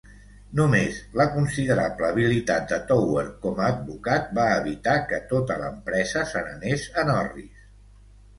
Només la considerable habilitat de Tower com a advocat va evitar que tota l'empresa se n'anés en orris.